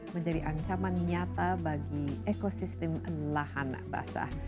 menjadi ancaman nyata bagi ekosistem lahan basah